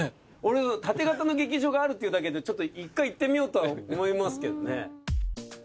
俺縦型の劇場があるっていうだけでちょっと１回行ってみようとは思いますけどね。